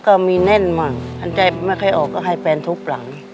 ก็มีแน่นบ้างอันใจไม่เคยออกก็ให้แฟนทุกข์หลัง